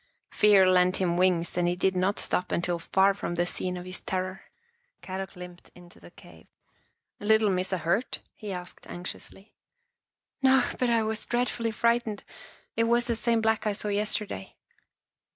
Fear lent him wings and he did not stop until far from the scene of his terror. Kadok limped into the cave. " Little Missa hurt?" he asked anxiously. " No, but I was dreadfully frightened. It was the same Black I saw yesterday."